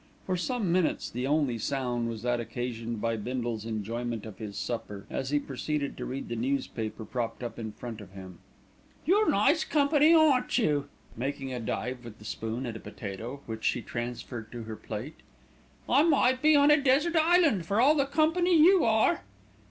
For some minutes the only sound was that occasioned by Bindle's enjoyment of his supper, as he proceeded to read the newspaper propped up in front of him. "You're nice company, aren't you?" cried Mrs. Bindle, making a dive with the spoon at a potato, which she transferred to her plate. "I might be on a desert island for all the company you are."